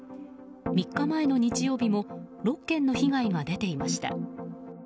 ３日前の日曜日も６件の被害が出ていました。